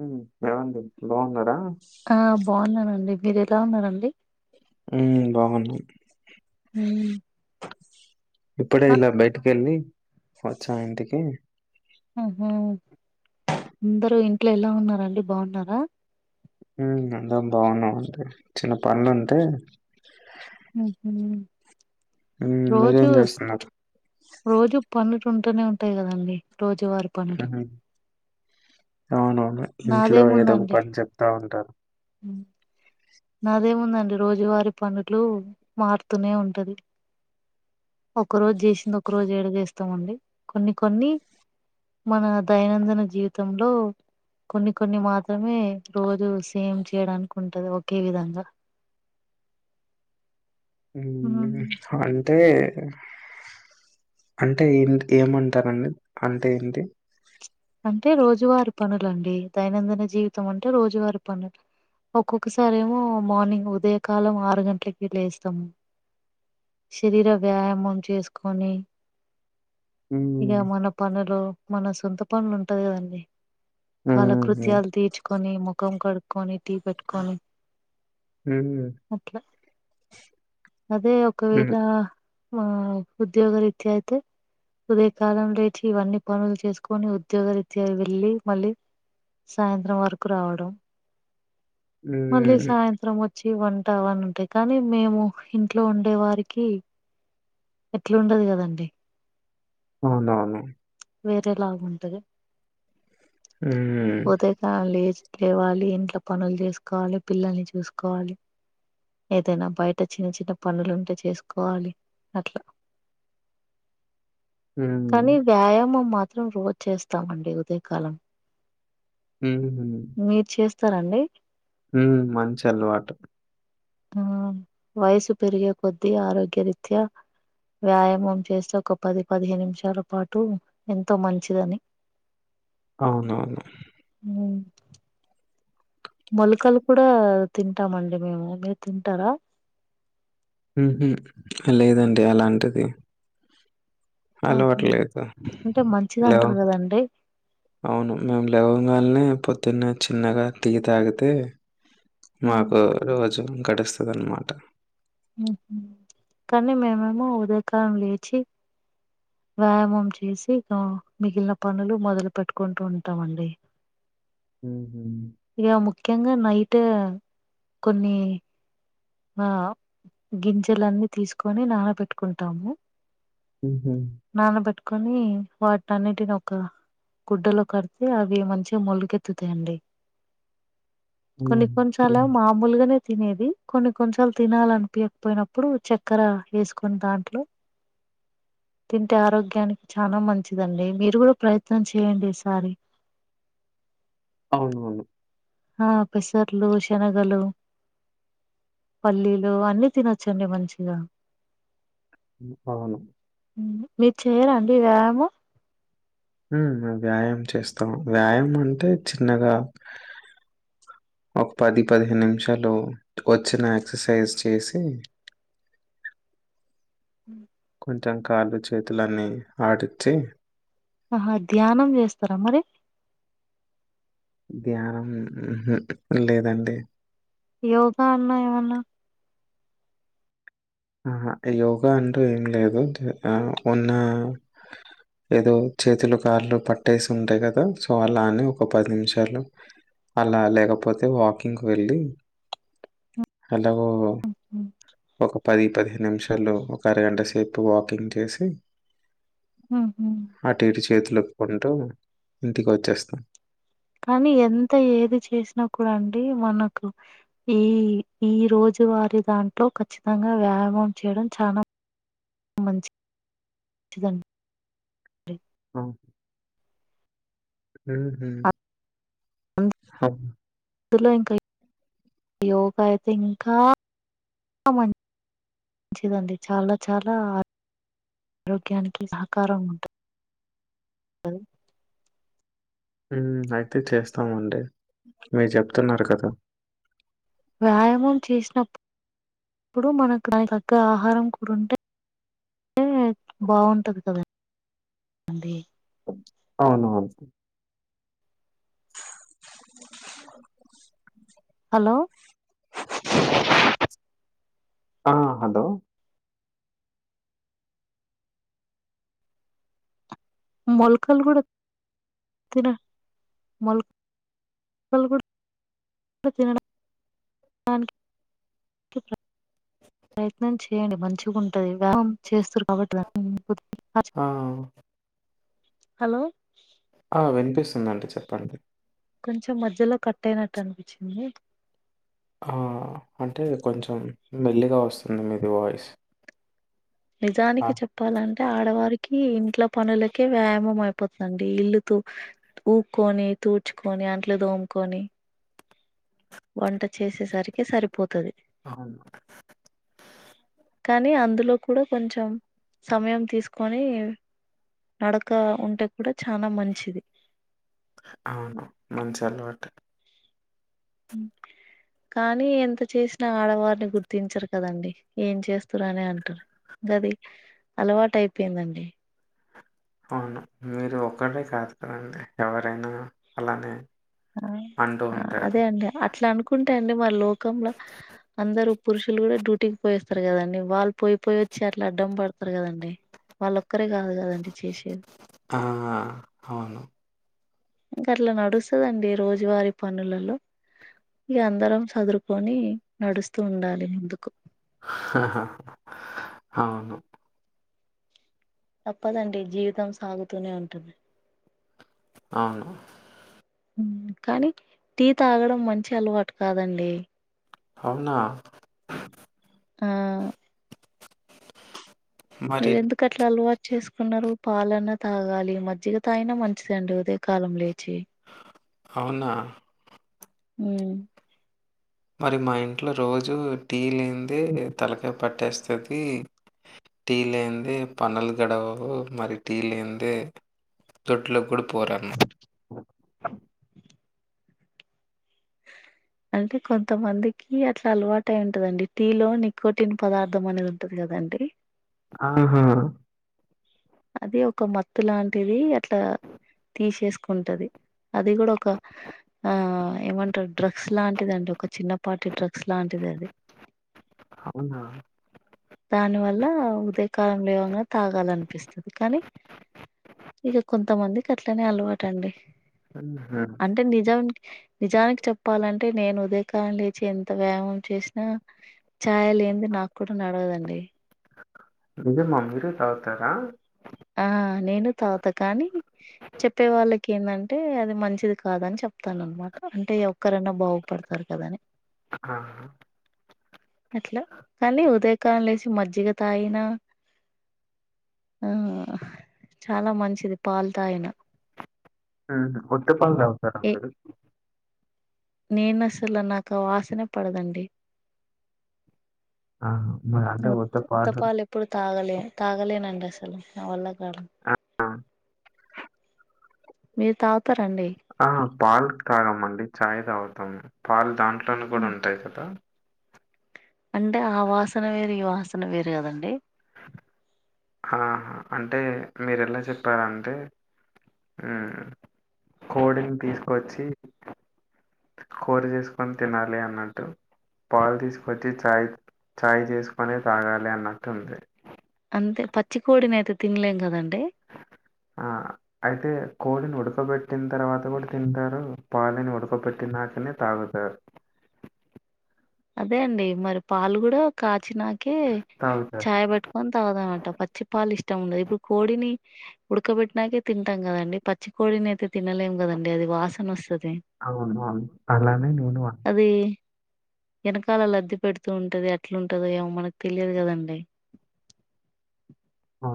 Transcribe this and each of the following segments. ఉమ్ ఏమండీ బాగున్నారా. ఆ బాగున్నానండి మీరు ఎలా ఉన్నారండి. ఉమ్ బాగున్నా ఉమ్ ఇప్పుడే అ ఇలా బయటికి వెళ్ళి వచ్చా ఇంటికి ఉహు అందరు ఇంట్లో ఎలా ఉన్న రండి బాగున్నారా ఉమ్ అందరం బాగున్నావు అంటే చిన్న పనులుంటే ఉమ్, రోజు మీరేం చేస్తున్నారు రోజు పనులు కుంటూనే ఉంటాయి కదండి రోజువారి పనులు ఉమ్, అవునవును ఇంట్లో ఏదో ఒక పని చెప్తా ఉంటారు ఉమ్ నాదేముందండి రోజువారి పనులు మారుతూనే ఉంటది ఒక రోజు చేసింది ఒక రోజు ఏడ చేస్తామండి కొన్ని కొన్ని మన దైనందిన జీవితంలో కొన్ని కొన్ని మాత్రమే రోజు సేమ్ చేయడానికి ఉంటది ఒక్ కే విధంగా ఉమ్ హ్మ్. అంటే అంటే ఏ ఏమంటారండి అంటే ఏంటి అంటే రోజువారి పనులండి దైనందిన జీవితం అంటే రోజువారి పనులు ఒక్కొక్కసారేమో మార్నింగ్ ఉదయకాలం ఆరు గంటలకి లేస్తామ్ శరీర వ్యాయామం చేసుకొని ఇగా ఉమ్, మన పనులో మన సొంత పనులు ఉంటది కదండి ఉమ్, కాలకృత్యాలు తీర్చుకొని ముఖం కడుకొని టీ పెట్టుకొని ఉమ్, అట్లా అదే ఉమ్, ఒకవేళ ఆ ఉద్యోగ రీత్య అయితే ఉదే కాలం లేచి ఇవన్నీ పనులు చేసుకొని ఉద్యోగ రీత్యా వెళ్ళి మళ్ళీ సాయంత్రం వరకు రావడం మళ్ళీ ఉమ్, సాయంత్రం వ చ్చి వంటా అని ఉంటాయి కానీ మేము ఇంట్లో ఉండే వారికి ఎట్లుంటది కదండి అవునవును వేరేలాగ ఉంటుంది ఉమ్, ఉదయకాలంలో లేవాలి ఇంట్లో పనులు చేసుకోవాలి పిల్లల్ని చూసుకోవాలి ఏదైనా బయట చిన్న చిన్న పనులుంటే చేసుకోవాలి అట్లా ఉమ్, కానీ వ్యాయామం మాత్రం రోజు చేస్తామండి ఉదయకాలం ఉమ్, మీరు చేస్తారండి ఉమ్ మంచి అలవాటు ఆ వయసు పెరిగ కొద్ది ఆరోగ్య రీత్యా వ్యాయామం చేస్తే ఒక పది పదిహేను నిమిషాల పాటు ఎంతో మంచిదని అవునవును మొలకలు కూడా తింటామండి మేము మీరు తింటారా ఉహు లేదండి అలాంటిది అల్వాటు ఆహా లేదు అంటే మంచిది హలో అంటారు కదండి అవును మేము లేవంగాల్నే పొద్దున్న చిన్నగా టీ తాగితే మాకు రోజు గడుస్తది ఆన్నమాట ఉహు కానీ మేమేమో ఉదయకారం లేచి వ్యాయామం చేసి నో మిగిలిన పనులు మొదలు పెట్టుకుంటూ ఉంటామండి హుహు. ఇగా ముఖ్యంగా నైట్ కొన్ని ఆ గింజలన్నీ తీసుకొని నానబెట్టుకుంటాము ఉహు కాని వాటి అన్నిటిని ఓక గుడ్డలో కడితే అవి మంచిగా మొలికెత్తుతాయి అండి అవునా! కొన్ని కొన్ని సార్లు హ్మ్. మామూలుగానే తినేది కొన్ని కొన్నీ సార్లు తినాలనిపియకపోయినప్పుడు చక్కెర వేసుకొని దాంట్లో తింటే ఆరోగ్యానికి చానా మంచిదండి మీరు కూడా ప్రయత్నం చేయండి ఈసారి అవునవును ఆ పెసర్లు, శనగలు పల్లీలు అన్ని తినొచ్చండి మంచిగా అవును హ్మ్. మీరు చెయారా అండి వ్యాయామం ఉ మేము వ్యాయామ చేస్తాం వ్యాయామం అంటే చిన్నగా ఒక పది పదిహేను నిమిషాలు వచ్చిన ఎక్సర్సైజ్ చేసి ఉ కొంచెం కాళ్ళు చేతులు ఆన్నీ ఆడించి ఆహా ధ్యానం చేస్తారా మరి ధ్యానం ఉహు లేదండి యోగా అన్నా ఏమన్నా ఆహా యోగా అంటూ ఏం లేదు ఆ ఉన్న ఏదో చేతులు కాళ్ళు పట్టేసి ఉంటాయి కదా సో అలా అనీ ఒక పది నిమిషాలు అలా లేకపోతే వాకింగ్ వెళ్ళి హలో ఒక పది పదిహను నిమిషాలలో ఒక అరగంట సేపు వాకింగ్ చేసి ఉహు అటు ఇటు చేతులు ఊపుకుంటూ ఇంటికి వచ్చేస్తాం కానీ ఎంత ఏది చేసినా కూడా అండి మనకు ఈ ఈ రోజు వారి దాంట్లో ఖచ్చితంగా వ్యా యమం చేయడం చాలా మంచి మంచిదండి అ ఉహు హబ్ ఇందులో ఇంకా యోగా అయితే ఇంకా చాల మంచి మంచిదండి చాలా చాలా ఆరోగ్యానికి సహకారం ఉంటుంది అయితే చేస్తామండి మీరు చెప్తున్నారు కదా వ్యాయామం చేసినప్పుప్పుడు మనకు దానికి తగ్గ ఆహారం కూడా ఉంటే టే బాగుంటది కదా అండి అవునవును హలో ఆ హలో మొల్కలు కూడా తిన మొల్ మొల్కల్ కూడా తినడనికి [inaudible] ప్రయత్నం చేయండి మంచిగఉంటది వ్యామం చేస్తారు కాబట్టి దాన్ని ఆ హలో ఆ వినిపిస్తుందండి చెప్పండి కొంచెం మధ్యలో కట్ అయినట్టు అనిపిచింది ఆ అంటే కొంచెం మెల్లిగా వస్తుంది మీది వాయిస్ ఆ! నిజానికి చెప్పాలం టే ఆడవారికి ఇంట్ల పనులకే వ్యాయామం అయిపోతదండి ఇల్లుతు ఉక్కోని తూడ్చుకొని అంట్లు దోముకొని వంట చేసేసరికి సరిపోతది అవును కానీ అందులో కూడా కొంచెం సమయం తీసుకొని నడక ఉంటే కూడా చానా మంచిది అవును మంచి అలవాటే మ్ కానీ ఎంత చేసినా ఆడవారిని గుర్తించరు కదండి ఏం చేస్తరు అనే అంటారు గది అలవాటు అయిపోయిందండి అవును మీరు ఒక్కరే కాదు కదండి ఎవరైనా అలానే అంటూ ఆ ఉంటారు. అదే అండి అట్లా అనుకుంటు అండి మరి లోకంలో అందరు పురుషులు కూడా డ్యూటీకి పోయివస్తరు కదండి వాళ్ళు పోయిపోయి వచ్చి అట్లా అడ్డం పడతారు కదండి వాళ్ళొక్కరే కాదు కదండి చేసేది ఆ అవును గట్ల నడుస్తదండి రోజువారి పనులలో ఇగ అందరం చదురుకొని నడుస్తూ ఉండాలి ఎందుకు అవును తప్పదండి జీవితం సాగుతూనే ఉంటుంది అవును మ్ కానీ టీ తాగడం మంచి అలవాటు కాదండి అవునా ఆ మరి మీరు ఎందుకు అట్లా అలవాటు చేసుకున్నారు పాలన్న తాగాలి మజ్జిగ తాగిన మంచిదండి ఉదేయ కాలం లేచి అవునా మ్ మరి మా ఇంట్లో రోజు టీ లేందే తలకాయ పట్టేస్తది టీ లేంది పన్నలు గడవవు మరి టీ లేందే దొడ్లో కి కూడా పోరన్నమా [inaudible] అంటే కొంతమందికి అట్లా అలవాటు అయి ఉంటదండి టీలో నికోటీన్ పదార్ధం అనేది ఉంటది కదా అంటాయి ఆహా అది ఒక మత్తు లాంటిది అట్లా తీసేసుకుంటది అది కూడా ఒక ఆ ఏమంటారు డ్రగ్స్ లాంటి దండి ఒక చిన్నపాటి డ్ర గ్స్ లాంటిది అది అవునా? దాని వల్ల ఉదయ కాలంలో ఏమన్నా తాగాలనిపిస్తుంది కానీ ఇక కొంతమందికి అట్లనే అలవాటు అండి హుహు. అంటే నిజా నిజానికి చెప్పాలంటే నేను ఉదయకాలం లేచి ఎంత వ్యాయామం చేసినా చాయ్ లేనిదే నాకు కూడా నడవదండి నిజమా మీరు తాగుతారా ఆ నేను తాగుతా కానీ చెప్పే వాళ్ళకి ఏందంటే అది మంచిది కాదని చెప్తాను అన్నమాట అంటే ఒక్కరైనా బాగుపడత పడతవ్ గానె ఆ అట్లా కానీ ఉదయకాలం లేసి మజ్జిగ తాగిన ఆ చాలా మంచిది పాలు తాగిన ఉహుమ్ ఉత్త పాలు తాగుతర ఏ మీరు నేను అసలు నాకు వాసనే పడదండి ఆహా! మరి అంటే ఉత్త పాలు ఉత్తపాలు ఎప్పుడు తాగలే తాగలేనండి అస నా వల్ల కాదు ఆ! మీ తాగు ఆ పాలు తగమండి చాయ్ తాగుతాము పాలు దాంట్లోనే కూడా ఉంటాయి కదా అంటే ఆ వాసన వేరు ఈ వాసన వేరు కదండి ఆహా అంటే మీరు ఎలా చెప్పారు అంటే ఆ కోడిని తీసుకొచ్చి కూర చేసుకొని తినాలి అన్నట్టు పాలు తీసుకొచ్చి చాయ్ చాయ్ చేసుకొనే తాగాలి అన్నట్టుంది అంతే పచ్చి కొడిని అయితే తినలేం కదండి ఆ అయితే కోడిని ఉడకబెట్టిన తర్వాత కూడా తింటారు పాలని ఉడకబెట్టినాకనే తాగుతారు అదే అండి మరి పాలు కూడా కాచి నాకే కే తాగుతారు. చాయ్ పెట్టుకొని తాగుదాం అంటావ్ పచ్చి పాలు ఇష్టం ఉండది ఇప్పుడు కోడిని ఉడకబెట్టినాకే తింటాం కదండి పచ్చి కొడిని అయితే తినలేం కదండి అది వాసన వస్తది అవును. అవును. అలానే నేను అన్నా. అది వెనకాల లబ్ది పెడుతూ ఉంటది అట్లాంటందో ఏమో మనకు తెలియదు కదండి ఆ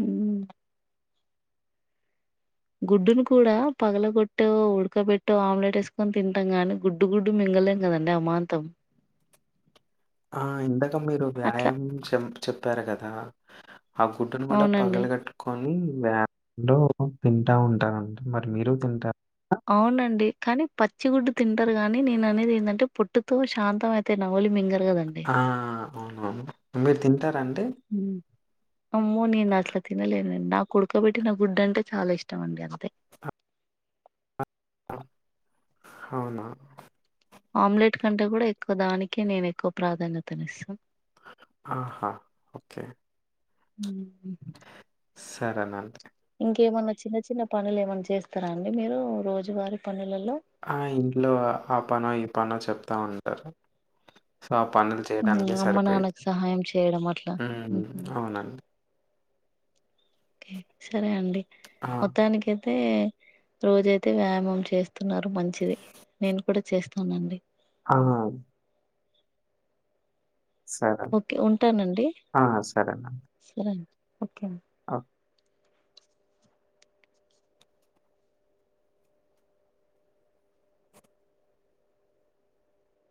హమ్ గుడ్డును కూడా పగల కొట్టో ఉడకబెట్టో ఆమ్లెట్ వేసుకొని తింటాం గానీ గుడ్డు గుడ్డు మి గలేం కదండి అమాంతం ఆ ఇందక మీరు అట్లా వ్యాయామం చెం చెప్పారు కదా ఆ గుడ్డును కూడా అవునండి పగల కొట్టుకొని ని వ్యాలో తింటా ఉంటారంట మరి మీరు తింటారు పచిగుడ్డు తింటారు గాని నేను అనేది ఏంటంటే పొట్టుతో సాంతం అయితే నమిలి మింగలే ఆ అవును అవును మీరు తింటా ఉమ్ అమ్మో నేను అట్లా తినలేను లేండి నాకు ఉడకబెట్టినా గుడ్డు అంటే చాలా ఇష్టం అండి అంతే అవునా ఆమ్లెట్ కంటే కూడా ఎక్కువ దానికే నేను ఎక్కువ ప్రాధాన్యతని ఇస్తా ఆహా ఓకే హ సరే అండి [inaudible] ఇంకేమన్నా చిన్న చిన్న పనులు ఏమన్నా చేస్తారా అండి మీరు రోజువారీ పనులు ఆ ఇంట్లో ఆ పనో ఈ పనో చెప్తా ఉంటారు సో ఆ పనులు ఉమ్ చేయడానికే అమ్మ సరిపోయది నాన్నకు సహాయం చేయడం అట్లా ఉహు అవునండి సరే అండి ఆ! మొత్తానికి అయి అయితే రోజయితే వ్యాయామం చేస్తున్నారు మంచిది నేను కూడా చేస్తానండి ఆ సరే. ఓకే ఉంటానండి ఆ! సరే అండి ఓకే అండి ఆ